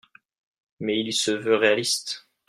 Mais il se veut réaliste.